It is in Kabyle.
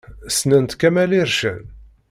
Ssnent Kamel Ircen?